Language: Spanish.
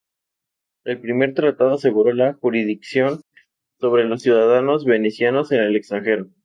El primer tratado aseguró la jurisdicción sobre los ciudadanos venecianos en el extranjero.